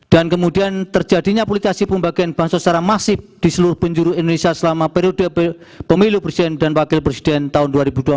dan kemudian terjadinya politisasi pembagian bansor secara masif di seluruh penjuru indonesia selama periode pemilu presiden dan wakil presiden tahun dua ribu dua puluh empat